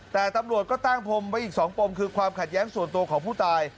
แต่ตำรวจก็ตั้งปมไว้อีก๒ปมคือความขัดแย้งส่วนตัวของผู้ตาย